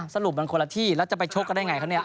สรุปมันคนละที่แล้วจะไปชกกันได้ไงคะเนี่ย